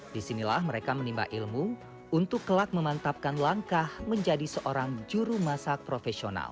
disinilah mereka menimba ilmu untuk kelak memantapkan langkah menjadi seorang juru masak profesional